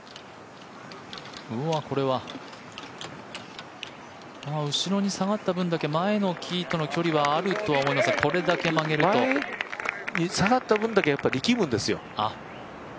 これは、後ろに下がった分だけ前の木との距離はあると思いますがこれだけ曲げると下がった分だけ力むんですよ。